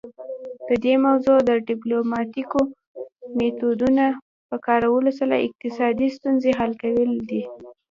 د دې موضوع د ډیپلوماتیکو میتودونو په کارولو سره اقتصادي ستونزې حل کول دي